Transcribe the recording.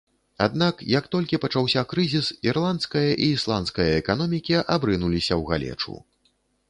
Аднак, як толькі пачаўся крызіс, ірландская і ісландская эканомікі абрынуліся ў галечу.